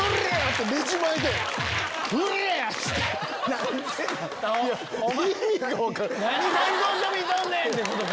何でなん⁉「何参考書見とんねん！」ってことか？